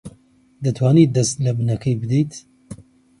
دەتوانیت دەست لە بنەکەی بدەیت؟